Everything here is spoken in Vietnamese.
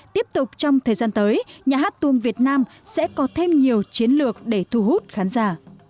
tiếp tục trong thời gian tới nhà hát tuồng việt nam sẽ có thêm nhiều chiến lược để thu hút khán giả